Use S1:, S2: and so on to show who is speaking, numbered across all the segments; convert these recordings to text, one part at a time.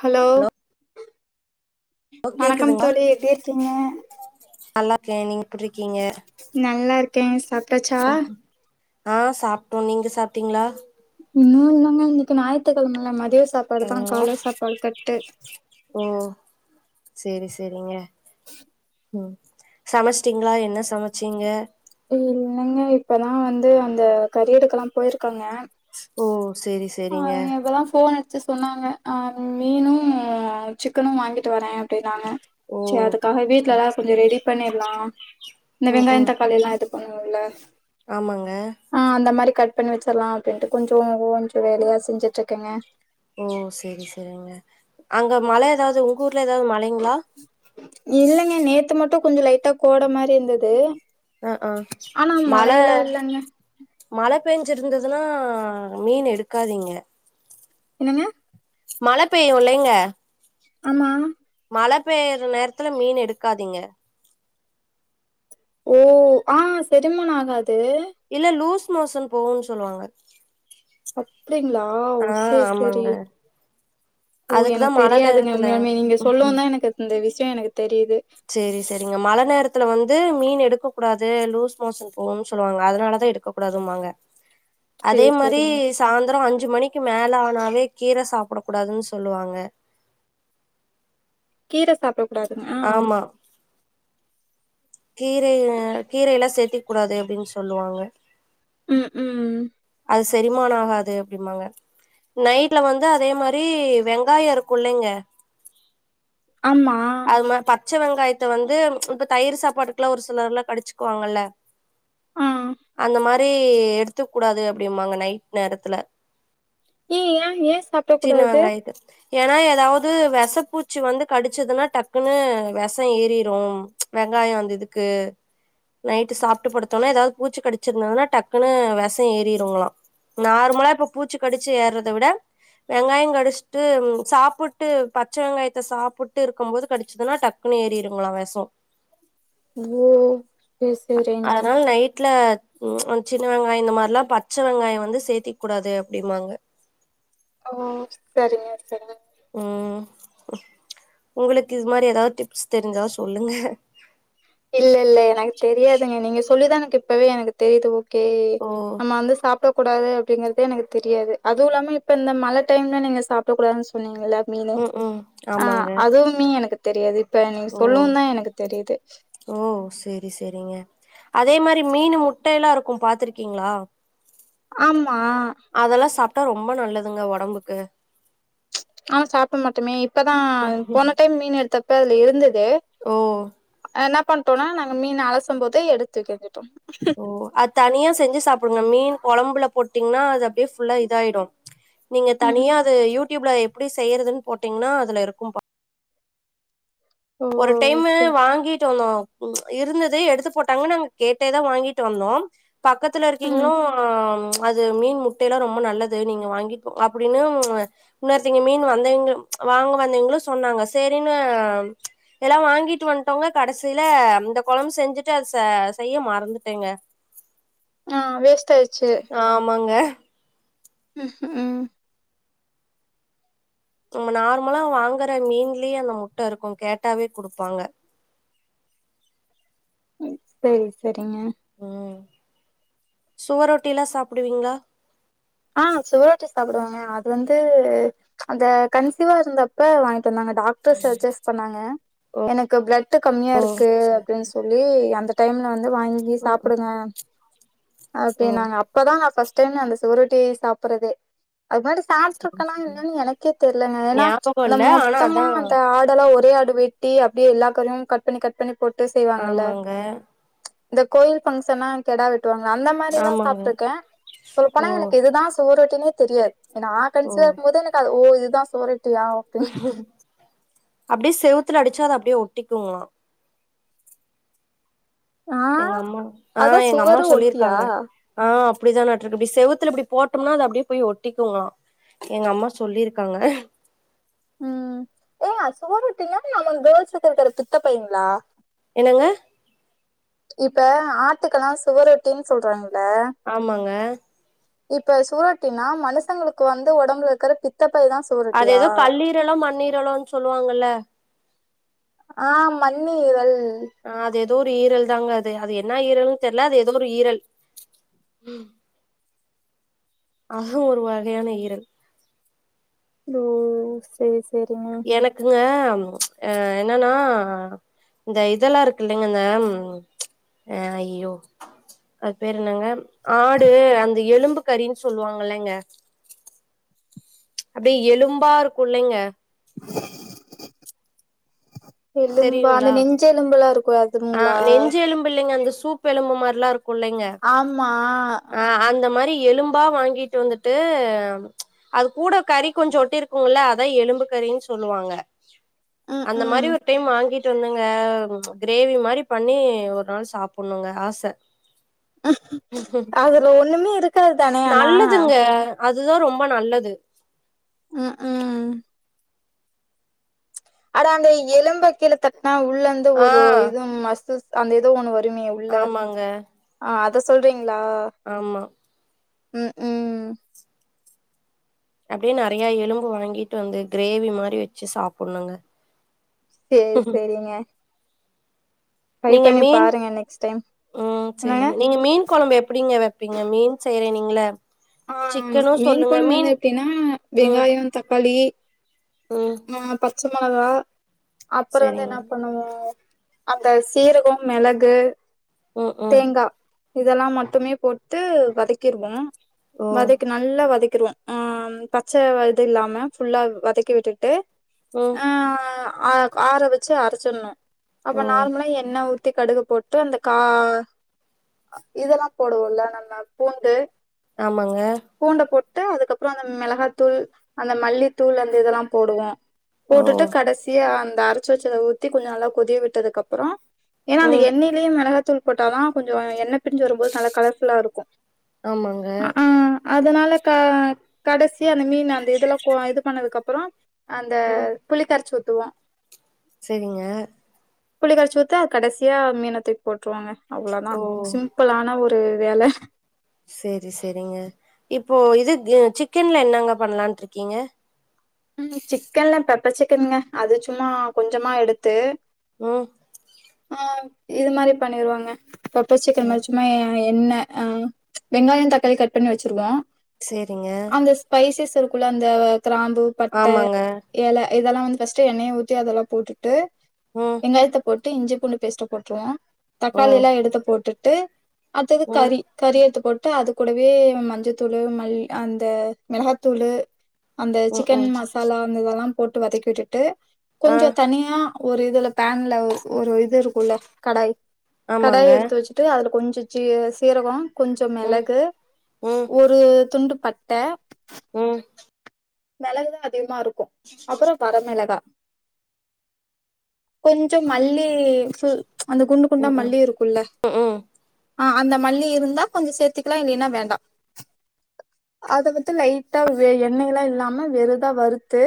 S1: Hello
S2: ஓ
S1: வணக்கம்
S2: கேக்குதுங்களா
S1: தோழி எப்டி இருக்கீங்க
S2: நல்லா இருக்கே நீங்க எப்புடி இருக்கீங்க
S1: நல்லா இருக்கே சாப்ட்டாச்சா
S2: ஆ சாப்ட்டோ, நீங்க சாப்ட்டீங்களா
S1: இன்னு இல்லாங்க இன்னைக்கி ஞாயித்துக்கெழமல்ல மதிய சாப்பாடுதா
S2: ம்
S1: கால சாப்பாடு கட்டு
S2: ஓ சேரி சேரிங்க ம், சமைச்சிட்டீங்களா என்ன சமைச்சீங்க
S1: இல்லைங்க இப்பதா வந்து அந்த கறி எடுக்கல்லா போயிருக்காங்க
S2: ஓ சேரி சே
S1: ஆ இப்பதா ஃபோன் அடி ச்சு சொன்னாங்க ஆ மீனும் சிக்கனு வாங்கிட்டு வரே அப்டின்னாங்க
S2: ஓ
S1: சேரி அதுக்காக வீட்ல
S2: சேரி
S1: எல்லா கொஞ்சோ
S2: சேரி
S1: ரெடி பண்ணிட்லா இந்த
S2: ம்
S1: வெங்காய
S2: ம்
S1: தக்காளி எல்லா இது பண்ணணுல்ல
S2: ஆமாங்க
S1: ஆ அந்த மாரி கட் பண்ணி வச்சிட்லா அப்டின்ட்டு கொஞ்சோ கொஞ்ச வேலையா செஞ்சுட்டு இருக்கேங்க
S2: ஓ சேரி சேரிங்க அங்க மழ ஏதாவது உங்க ஊர்ல ஏதாவது மழைங்ளா
S1: இல்லங்க நேத்து மட்டு கொஞ்சோ லைட்டா கோட மாரி இருந்தது
S2: அ, ஆ,
S1: ஆனா
S2: மழ
S1: மழையெல்லா இல்லங்க
S2: மழ பேஞ்சிருந்ததுனா மீன் எடுக்காதீங்க
S1: என்னங்க
S2: மழ பெய்யு இல்லைங்க
S1: ஆமா
S2: மழ பெய்யிற நேரத்துல மீன் எடுக்காதீங்க
S1: ஓ ஆ செரிமானம் ஆகாது
S2: இல்ல லூஸ் மோசன் போகுன்னு சொல்லுவாங்க
S1: அப்டிங்ளா ஓ
S2: ஆ
S1: சேரி
S2: ஆமாங்க
S1: சேரி ஓ
S2: அதுக்குதா
S1: எனக்கு
S2: மழ
S1: தெரியாதுங்க
S2: நேரத்துல
S1: உண்மையாலுமே நீங்க சொல்லவுந்தா எனக்கு இந்த விஷய எனக்கு தெரியுது
S2: சேரி சேரிங்க மழ நேரத்துல வந்து மீன் எடுக்க கூடாது லூஸ் மோசன் போவும்னு சொல்லுவாங்க அதனாலதா எடுக்க கூடாதும்பாங்க அதே
S1: சேரி
S2: மாரி
S1: சேரிங்க
S2: சாயந்தரோ அஞ்சு மணிக்கு மேல ஆனாவே கீர சாப்ட கூடாதுன்னு சொல்லுவாங்க
S1: கீர சாப்டக்கூடாதுனு ஆ, ஆ
S2: ஆமா கீரை அ கீரை எல்லா சேத்துக்கூடாது அப்டின்னு சொல்லுவாங்க
S1: ம், ம்
S2: அது செரிமான ஆகாது அப்டிம்பாங்க நைட்ல வந்து அதே மாரி வெங்காய இருக்கு இல்லைங்க
S1: ஆமா
S2: நம்ம பச்ச வெங்காயத்த வந்து இப்ப தயிர் சாப்பாட்டுக்கெல்லா ஒரு சிலர்ல்லா கடிச்சிக்குவாங்கல்ல
S1: ஆ
S2: அந்த மாரி எடுத்துக்கூடாது அப்டிம்பாங்க நைட் நேரத்துல
S1: ஏ ஏன் ஏ சாப்ட கூடாது
S2: ஏனா எதாவது வெசப்பூச்சி வந்து கடிச்சிதுன்னா டக்குன்னு வெஷம் ஏறிரும் வெங்காயம் வந்து இதுக்கு நைட்டு சாப்ட்டு படுத்தொன்னே எதாவது பூச்சி கடிச்சதுன்னால டக்குன்னு வெஷம் ஏறிருங்களா நார்மலா இப்ப பூச்சி கடிச்சி ஏறத விட வெங்காயம் கடிச்சிட்டு சாப்புட்டு பச்ச வெங்காயத்த சாப்புட்டு இருக்கமோது கடிச்சிதுன்னா டக் குனு ஏறிருங்களா வெஷோ
S1: ஐயோ
S2: அ அதனால நைட்ல ம் சின்ன வெங்காயம் இந்த மாரிலாம் பச்ச வெங்காயம் வந்து சேத்திக்கூடாது அப்டிம்பாங்க
S1: ஓ செரிங்க செரிங்க
S2: ம் ஒங்களுக்கு இது மாரி எதாவது டிப்ஸ் தெரிஞ்சா சொல்லுங்க
S1: இல்ல இல்ல எனக்கு தெரியாதுங்க நீங்க சொல்லிதா எனக்கு இப்பவே எனக்கு தெரியுது கே
S2: ஓ
S1: நம்ம வந்து சாப்ட கூடாது அப்டிங்கிறதே எனக்கு தெரியாது அதுவும் இல்லாம இப்ப இந்த மழ டைம்ல நீங்க சாப் டக்கூடாதுன் சொன்னீங்க இல்ல மீனு
S2: ம் ம்
S1: ஆ
S2: ஆமாங்க
S1: அதுவுமே எனக்கு தெரியாது இப்ப நீங்க
S2: ஓ
S1: சொல்லவுந்தா எனக்கு தெரியிது
S2: ஓ செரி செரிங்க அதே மாரி மீனு முட்ட எல்லா இருக்கும் பாத்துருக்கீங்ளா
S1: ஆமா
S2: அதெல்லா சாப்ட்டா ரொம்ப நல்லதுங்க ஒடம்புக்கு
S1: ஆனா சாப்டமாட்டமே இப்பதா போன டைம் மீன் எடுத்தப்ப அதுல இருந்தது
S2: ஓ
S1: ஆ என்னா பண்டோன்னா நாங்க மீன அலசம் போதே எடுத்துக்க கேட்டோ
S2: ஓ அது தனியா செஞ்சி சாப்புடுங்க மீன் கொழம்புல போட்டீங்ன்னா அது அப்டே ஃபுல்லா இதாயிடு நீங்க
S1: ம்.
S2: தனியா அத யூடியூப்ல எப்டி செய்யறதுன் போட்டீங்கன்னா அதுல இருக்கும் பா
S1: ஓ!
S2: ஒரு டைமு
S1: சரி.
S2: வாங்கிட்டு வந்தோ ம்ச் இருந்தது எடுத்து போட்டாங்க நாங்க கேட்டேதா வாங்கிட்டு வந்தோ பக்கத்துல
S1: ம்.
S2: இருக்கீங்ளோ ம் அது மீன் முட்டைலா ரொம்ப நல்லது நீங்க வாங்கிகோ அப்டின்னு உன்னொருத்தீங்க மீன் வந்தவங்க வாங்க வந்தவங்களும் சொன்னாங்க சேரின்னு எல்லா வாங்கிட்டு வண்டோங்க கடைசில இந்த கொழம்பு செஞ்சிட்டு அத செ செய்ய மறந்துட்டேங்க
S1: ஆ வேஸ்ட் ஆயிச்சி
S2: ஆமாங்க
S1: ம்
S2: நம்ம நார்மலா வாங்குற மீன்லயே அந்த முட்ட இருக்கு கேட்டாவே குடுப்பாங்க
S1: சேரி சேரிங்க
S2: ம் சுவரொட்டில்லா சாப்டுவீங்ளா
S1: ஆ செவுரொட்டி சாப்புடுவேங்க அது வந்து அந்த கன்சிவா இருந்தப்ப வாங்கிட்டு வந்தாங்க டாக்டர்ஸ் சஐஸ் பண்ணாங்க எனக்கு பிளட்டு கம்மியா
S2: ஓ
S1: இருக்கு
S2: சரி சரி.
S1: அப்டின் சொல் வே அந்த டைம்ல வந்து வாங்கி சாப்புடுவே ஓகே
S2: ஓ
S1: நாங்க இப்பதா நா பஸ்ட் டைமே அந்த செவ்ரொட்டியே சாப்பறதே அது மாரி சாப்ட்ருக்கனா என்னான் எனக்கே தெரியலங்க ஏனா
S2: ஞாபகோ
S1: அந்த
S2: இல்ல ஆனா அதா
S1: மொத்தமா அந்த ஆடெல்லா ஒரே ஆடு வெ ட்டி அப்டே எல்லா கறையும் கட் பண்ணி கட் பண்ணி போட்டு செய்வாங்கல்ல
S2: ஆமாங்க
S1: இந்த கோயில் பங்க்ஷனா கெடா வெட்டுவாங்களா அந்த மாரி எல்லா
S2: ஆமாங்க
S1: சாப்ட்டுருக்கன் சொல்ல
S2: ஓ
S1: போனா எனக் இதுதா செவுரொட்டினே தெரியாது நா
S2: ஓ
S1: கன்சிவா இருக்கமோது எனக்கு அது ஓ இதுதா சோரட்டியா
S2: அப்டியே செவுத்துல அடிச்சா அது அப்டியே ஒட்டிக்குங்ளா
S1: ஆ
S2: எங்க அம்மா ஆ
S1: அதா
S2: எங்க அம்மா
S1: சுவரு ஒட்டியா
S2: சொல்லியிருக்காங்க ஆ அப்டிதா நட்ருக்கு இப்டி செவுத்துல இப்டி போட்டோம்னா அது அப்டியே போய் ஒட்டிக்குங்ளா எங்க அம்மா சொல்லியிருக்காங்க
S1: ம் ஏங்க சுவரொட்டீங்கா நமக் கேர்ள்ஸ்ஸுக்கு இருக்கிற பித்த பைங்ளா
S2: என்னங்க
S1: இப்ப ஆட்டுக்கல்லா சுவரொட்டின் சொல்றாங்ள
S2: ஆமாங்க
S1: இப்ப சுவரொட்டினா மனுஷங்களுக்கு வந்து ஒடம்புல இருக்கிற பித்தப்பை தா
S2: அது
S1: சுவரொட்டியா
S2: எதோ கல்லீரலோ மண்ணீரலோ சொல்லுவாங்கல்ல
S1: ஆ மண்ணீரல்
S2: ஆ அது எதோ ஒரு ஈரல் தாங்க அது அது என்ன ஈரல்ன்னு தெர்ல அது ஏதோ ஒரு ஈரல் ம் அதுவு ஒரு வகையான ஈரல்
S1: ஓ செரி செரிங்க
S2: எனக்குங்க அ என்னன்னா இந்த இதெல்லா இருக்குல்லைங்க அந்த அ அய்யிய்யோ அது பேரு என்னங்க ஆடு அந்த எலும்பு கறின் சொல்வாங்கல்லைங்க அப்டியே எலும்பா இருக்கும்ல்லைங்க
S1: [inaudible] எலும்பா அந்த
S2: தெரியுங்களா
S1: நெஞ்ச எலும்புல்லா இருக்கும்
S2: ஆ
S1: அதுங்ளா
S2: நெஞ்சு எலும்பு இல்லைங்க அந்த சூப் எலும்பு மாரிலா இருக்கும் இல்லைங்க
S1: ஆமா
S2: ஆ அந்த மாரி எலும் பா வாங்கிட்டு வந்துட்டு அது கூட கறி கொஞ்சம் ஒட்டி இருக்குங்ள அதா எலும்பு கறின் சொல்லுவாங்க
S1: ம்
S2: அந்த மாரி
S1: ம்
S2: ஒரு டைம் வாங்கிட்டு வந்தங்க கிரேவி மாரி பண்ணி ஒரு நாள் சாப்புன்னுங்க ஆச
S1: அதுல ஒண்ணுமே இருக்
S2: நல்லதுங்க அதுதா ரொம்ப நல்லது
S1: ம் ம் அட அந்த எலும்ப கீழ தட்னா உள்ளந்து
S2: ஆ
S1: ஒரு இதும் மஸ்சில்ஸ் அந்த ஏதோ ஒண்ணு வருமே
S2: ஆமாங்க
S1: ஆ அத சொல்றீங்ளா
S2: ஆமா
S1: ம் ம்
S2: அப்டியே நெறைய எலும்பு வாங்கிட்டு வந்து கிரேவி மாரி வெச்சு சாப்புன்னுங்க
S1: சேர் செரிங்க
S2: நீங்க மீன்
S1: பாருங்க நெக்ஸ்ட் டைம்
S2: ம்
S1: என்னங்க
S2: சேரிங்க நீங்க மீன் ன் கொழம்பு எப்டிங்க வைப்பீங்க மீன் செய்யறே நீங்கள
S1: ஆ மீன் கொழம்பு வந்து எப்டின்னா
S2: ம்
S1: வெங்காயம் தக்காளி
S2: ம்
S1: ஆ பச்ச மெளகா அப்பறோ வந்து
S2: சேரிங்க
S1: என்ன பண்ணுவோ அந்த சீரகம் மிளகு
S2: ம் ம்
S1: தேங்கா இதெல்லா மட்டுமே போட்டு வதக்கிருவோம்
S2: ஓ
S1: வதக்கி நல்லா வதக்கிருவோ ஆ பச்ச இது இல்லாம ஃபுல்லா வதக்கி விட்டுட்டு
S2: அ
S1: ஆ ஆ ஆற வெச்சு அரச்சின்னோ
S2: ஓ
S1: அப்றோ நார்மலா எண்ணெ ஊத் த்து கடுகு போட்டு அந்த கா இதெல்லா போடுவோல நம்ம பூண்டு
S2: ஆமாங்க
S1: பூண்ட போட்டு அதுக்கப்றோ அந்த மிளகாத்தூள் அந்த மல்லித்தூள் அந்த இதெல்லா போடுவோ
S2: ஓ
S1: போட்டுட்டு கடைசிய அந்த அரச்சி வச்சத ஊத்தி கொஞ்சோ நல்லா கொதிய விட்டதுக்கு அப்றோ ஏனா அந்த
S2: ம்
S1: எண்ணெய்லயே மிளகத்தூள் போட்டா தா கொஞ்சோ எண்ணெ பிரிஞ்சு வரும்போது நல்ல கலர்ஃபுல்லா இருக்கு
S2: ஆமாங்க
S1: அதனால க கடைசியா அந்த மீன் அந்த இதெல்லா இது பண்ணதுக்கு அப்றோ அந்த
S2: ம்
S1: புளி கரச்சி ஊத்துவோ
S2: சேரிங்க
S1: புளிக்கரச்சி ஊத்தி அ கடைசியா மீன தூக்கி போட்டுருவோங்க அவ்ளோதா
S2: ஓ
S1: சிம்பிளான ஒரு வேல
S2: சேரி சேரிங்க இப்போ இது சிக்கன்ல என்னங்க பண்ணலான்ட்டு இருக்கீங்க
S1: ம் சிக்கன்ல பெப்பர் சிக்கனுங்க அது சும்மா கொஞ்சமா எடுத்து
S2: ம்
S1: ஆ இது மாதிரி பண்ணிருவாங்க பெப்பர் சிக்கன் மாரி சும்மா எண்ணெ ஆ வெங்காயம் தக்காளி கட் பண்ணி வச்சிருவோ
S2: சேரிங்க
S1: அந்த ஸ்பைசஸ் இருக்குல்ல அந்த கிராம்பு பட்ட
S2: ஆமாங்க
S1: இல இதெல்லா வந்து ஃபர்ஸ்ட்டு எண்ணெய ஊத்தி அதெல்லா போட்டுட்டு
S2: ம்
S1: வெங்காயத்த போட் டு இஞ்சி பூண்டு பேஸ்ட்ட போட்டுருவோ
S2: ஓ
S1: தக்காளி எல்லா எடுத்து போட்டுட்டு அடுத்தது
S2: ம்
S1: கறி கறி எடுத்து போட்டு அது கூடவே மஞ்சத்தூள் மல் அந்த மெளகாத்தூளு அந்த
S2: ம்
S1: சிக்கன்
S2: ம்
S1: மசாலா அந்த இதெல்லா போட்டு வதக்கி விட்டுட்டு
S2: ஆ
S1: கொஞ்சோ தனியா ஒரு இதுல பேன்ல ஒரு ஒரு இது இருக்கும்ல கடாய்
S2: ஆமாங்க
S1: கடாய எடுத்து வச்சு அதுல கொஞ்சோ சீ சீரகோ கொஞ்சோ
S2: ம்
S1: மெளகு
S2: ம்
S1: ஒரு துண்டு பட் ட
S2: ம்
S1: மெளகுதா அதிகமா இருக்கு அப்றோ வரமெளகா கொஞ்சோ மல்லி சு அந்த குண்டு
S2: ம்
S1: குண்டா
S2: ம்
S1: மல்லி இருக்கும்ல்ல
S2: ம் ம்
S1: ஆ அந்த மல்லி இருந்தா கொஞ்சோ சேர்த்துக்கலா இல்லைன்னா வேண்டா அத மட்டு லைட்டா வே எண்ணெய் எல்லா இல்லாம வெறுதா வறுத்து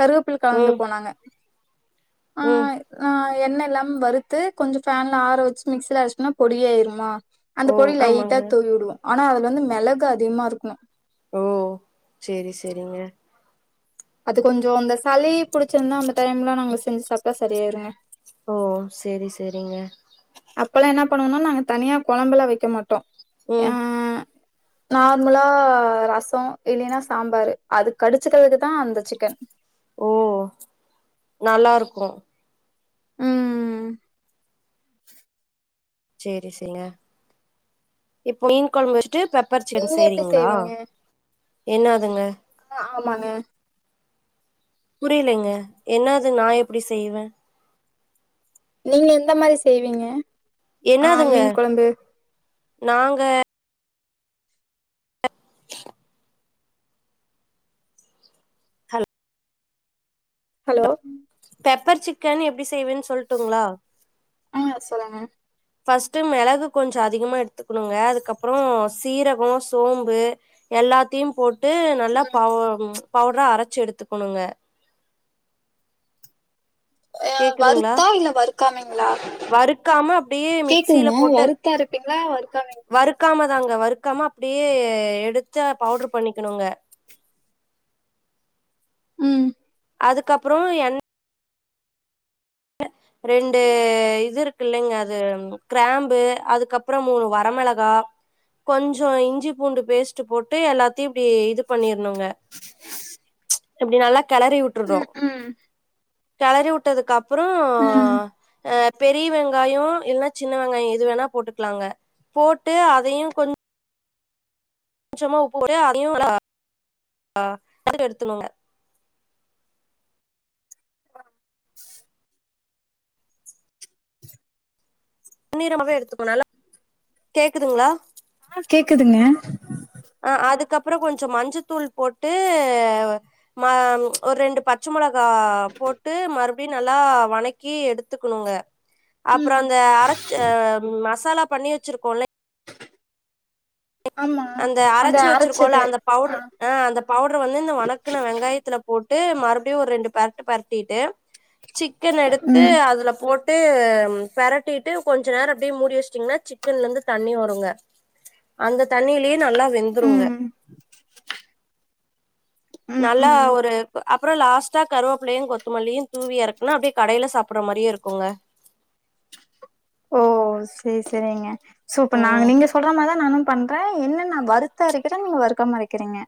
S1: கருவப்பில்ல கலந்து
S2: ம்
S1: போ நாங்க ஆ
S2: ம்
S1: ஆ எண்ணெ இல்லாம வறுத்து கொஞ்சோ ஃபேன்ல ஆற வச்சு மிக்சில அடிச்சோம்னா பொடி ஆயிருமா அந்த
S2: ஓ
S1: பொடி லைட்டா
S2: ஆமாங்க
S1: தூவி விடுவோ ஆனா அதுல வந்து மெளகு அதிகமா இருக்கு
S2: ஓ சேரி சேரிங்க
S1: அது கொஞ்சோ அந்த சளி புடிச்சிருந்தா அந்த டைம்லா நாங்க செஞ்சு சாப்ட்டா சரியாயிருங்க
S2: ஓ சேரி சேரிங்க
S1: அப்பல்லா என்ன பண்ணுவோனா நாங்க தனியா கொழம்பு எல்லா வைக்க மாட்டோ ஆ
S2: ம்
S1: நார்மலா ரசோ இல்லைன்னா சாம்பாரு அது கடிச்சக்கிறதுக்கு தா அந்த சிக்கன்
S2: ஓ நல்லாருக்கு
S1: ம் ம்
S2: சேரி சேரிங்க இப்ப மீன் கொழம்பு வச்சுட்டு பெப் ப்பர்ச்சன்
S1: நீங்க எப்டி
S2: செய்றீங்ளா
S1: செய்வீங்க
S2: என்னாதுங்க
S1: அ ஆமாங்க
S2: புரியலங்க என்னாது நா எப்டி செய்வே
S1: நீங்க எந்த மாரி செய்வீங்க ஆ
S2: என்னதுங்க
S1: மீன் கொழம்பு
S2: நாங்க
S1: ஹலோ
S2: பெப்பர் சிக்கன் எப்டி செய்வேன்னு சொல்லுட்டுங்களா
S1: ஆ சொல்லுங்க
S2: ஃபஸ்ட்டு மெளகு கொஞ்சோ அதிகமா எடுத்துக்கணுங்க அதுக்கப்புறோ சீரகோ சோம்பு எல்லாத்தையு போட்டு நல்லா ப பவுடரா அரைச்சு எடுத்துக்குணுங்க கேக்குதுங்ளா
S1: வருத்தா இல்ல வருக்காமீங்களா
S2: வறுக்காம அப்டியே மிக்சில
S1: கேக்குதுங்க
S2: போட்டு
S1: வருத் ருத்தா இருப்பீங்களா ஒருக்காங்
S2: வறுக்காம தாங்க வறுக்காம அப்டியே எடுத்த பவுடர் பண்ணிக்கணுங்க
S1: ம்
S2: அதுக்கப்புறோ எண் அ ரெண்டு இதுருக்குல்லைங்க அது கிராம்பு அதுக்கப்புறோ மூணு வரமெளகா கொஞ்சோ இஞ்சி பூண்டு பேஸ்ட் போட்டு எல்லாத்தையு இப்பிடி இது பண்ணிருணுங்க எப்டி நல்லா கெளறி உட்ருன்னு
S1: ம் ம்
S2: கெளறி உட்டதுக்கு அப் புறோ
S1: ம்
S2: அ பெரிய வெங்காயோ இல்லனா சின்ன வெங்காயோ எது வேணா போட்டுக்கலாங்க போட்டு அதையு கொஞ் சோமா போட்டு போட்டு அதையு [inaudible] எடுத்தர்னுங்க
S1: [inaudible]
S2: ன்னிரமாவவே எடுத்துக்கனு நல்லா [inaudible] கேக்குதுங்களா
S1: ஆ கேக்குதுங்க
S2: அ அதுக்கப்புறோ கொஞ்சோ மஞ்சத்தூள் போட்டு ம் ஒரு ரெண்டு பச்சை மொளகா போட்டு மறுபடியு நல்லா வணக்கி எடுத்துக்குணுங்க அப்புறோ
S1: ம்
S2: அந்த அரைச்ச அ மசாலா பண்ணி வச்சிருக்கோலைங்
S1: ஆமா
S2: அந்த அரைச்சு வச்சிருக்கோல
S1: அரச்சது
S2: அந்த
S1: ஆ
S2: பவுடர் அ அந்த பவுடர் வந்து இந்த வணக்குன வெங்காயத் துல போட்டு மறுபடியு ஒரு ரெண்டு பேரட்டு பேரட்டிட்டு சிக்கன எடுத்து
S1: ம்
S2: அதுல போட் ட்டு ம் அ பெரட்டிட்டு கொஞ்சே நேரோ அப்படியே மூடி வச்சுட்டீங்கன்னா சிக்கன்லருந்து தண்ணி வருங்க அந்த தண்ணியிலயே நல்லா வெந்துருங்க
S1: ம் ம் ம்
S2: அப்புறோ லாஸ்ட்டா கருவேப்புள்ளையு கொத்தமல்லியையு தூவி இறக்குன்னா அப்படியே கடையில சாப்பிட்ற மாரியு இருக்குங்க
S1: ஓ செரி செரிங்க சூப்பன் நாங்க
S2: ம்
S1: நீங்க சொல்ற மார் தா நானு பண்றே என்ன நா வருத்து அரைக்கிறே நீங்க வருக்காம அரைக்கிறீங்க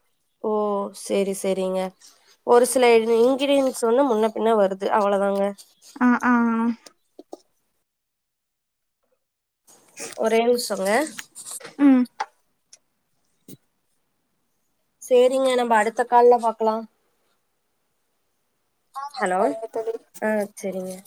S2: ஓ சேரி சேரிங்க ஒரு சில இன்கிரீடியன்ஸ் வந்து முன்ன பின்ன வருது அவ்ளோதாங்க
S1: ஆ ஆ
S2: ஒரே நிம்ஷோங்க
S1: ம்
S2: சேரிங்க நம்ம அடுத்த கால்ல பாக்லா
S1: ஆ
S2: ஹலோ
S1: சரிங்க தோழி
S2: ஆ சேரிங்க